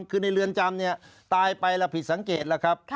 คือในเรือนจำเนี่ยตายไปแล้วผิดสังเกตแล้วครับ